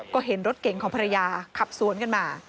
ก็เห็นรถเก่งของภรรยาขับสวนกันมา